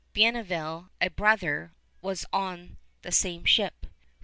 Bienville, a brother, was on the same ship.